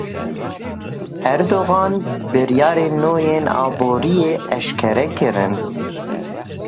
Erdogan biryarên nû yên aboriyê eşkere kirin.